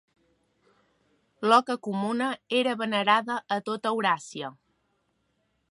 L'oca comuna era venerada a tot Euràsia.